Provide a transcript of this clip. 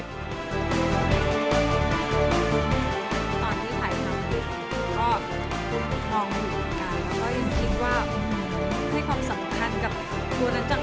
ตอนที่ถ่ายพร้อมฤทธิ์ก็มองถูกกัน